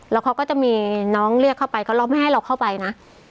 แล้วเขาก็จะมีน้องเรียกเข้าไปเขาร้องไม่ให้เราเข้าไปนะ